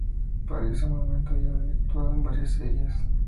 Para ese momento, ya había actuado en varias series.